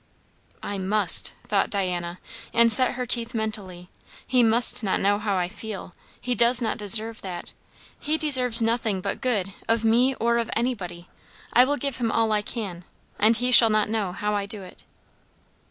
"I must," thought Diana, and set her teeth mentally; "he must not know how I feel; he does not deserve that. He deserves nothing but good, of me or of anybody. I will give him all I can, and he shall not know how I do it."